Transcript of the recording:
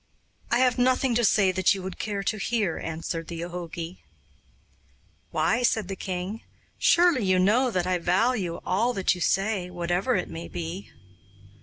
'I have nothing to say that you would care to hear,' answered the jogi. 'Why?' said the king. 'Surely you know that I value all that you say, whatever it may be.